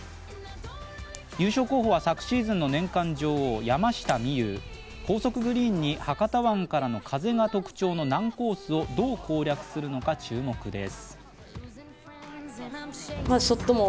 優勝候補は昨シーズンの年間女王山下美夢有、高速グリーンに博多湾からの風が特徴の難コースをどう攻略するのか注目です。